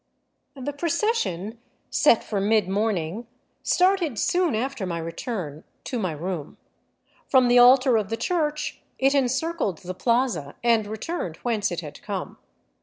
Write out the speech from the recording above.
The procession, set for mid morning, started soon after my return my room. From the altar of the church it encircled the plaza and iturned whence it had come.